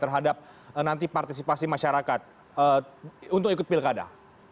terhadap nanti partisipasi masyarakat untuk ikut pilkada